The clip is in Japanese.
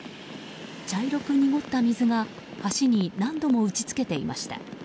茶色く濁った水が橋に何度も打ち付けていました。